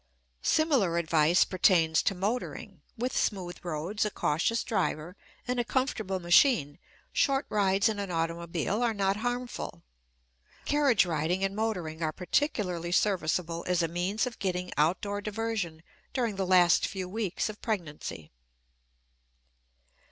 Similar advice pertains to motoring; with smooth roads, a cautious driver, and a comfortable machine, short rides in an automobile are not harmful. Carriage riding and motoring are particularly serviceable as a means of getting outdoor diversion during the last few weeks of pregnancy.